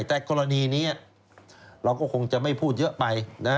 แต่กรณีนี้เราก็คงจะไม่พูดเยอะไป